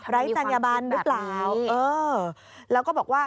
ร้ายตัญญาบันหรือเปล่าเออแล้วก็บอกว่ามีความคิดแบบนี้